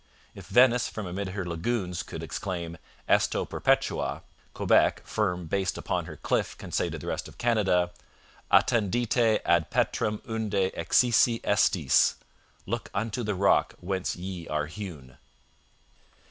If Venice from amid her lagoons could exclaim, Esto perpetua, Quebec, firm based upon her cliff, can say to the rest of Canada, Attendite ad petram unde excisi estis 'Look unto the rock whence ye are hewn.'